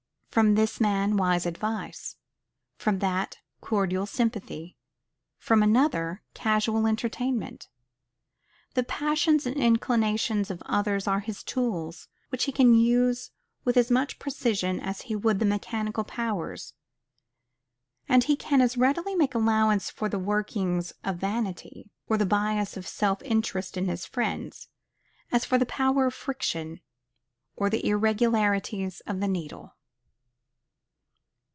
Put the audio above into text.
From this man, wise advice; from that, cordial sympathy; from another, casual entertainment. The passions and inclinations of others are his tools, which he can use with as much precision as he would the mechanical powers; and he can as readily make allowance for the workings of vanity, or the bias of self interest in his friends, as for the power of friction, or the irregularities of the needle.